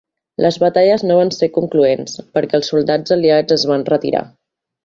Les batalles no van ser concloents, perquè els soldats aliats es van retirar.